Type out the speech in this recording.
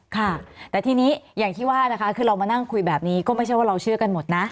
ค่ะแต่ทีนี้อย่างที่ว่านะคะคือเรามานั่งคุยแบบนี้ก็ไม่ใช่ว่าเราเชื่อกันหมดนะ